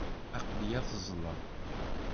Aql-iyi ad azzleɣ.